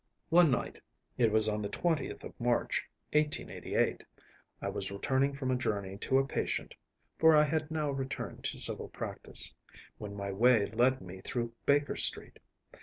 One night‚ÄĒit was on the twentieth of March, 1888‚ÄĒI was returning from a journey to a patient (for I had now returned to civil practice), when my way led me through Baker Street.